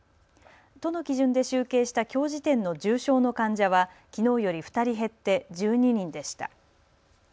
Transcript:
都の基準で集計したきょう時点の重症の患者はきのうより２人減って１２人でした。